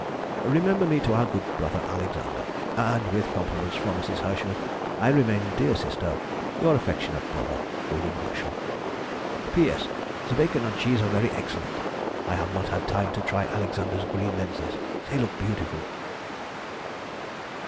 Remember me to our good brother Alexander, and, with compliments from Mrs. Herschel, I remain, dear sister, Your affectionate brother, WM. HERSCHEL. P.S.—The bacon and cheese are very excellent. I have not had time to try Alexander's green lenses; they look beautiful.